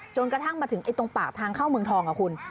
กระทั่งมาถึงตรงปากทางเข้าเมืองทองค่ะคุณ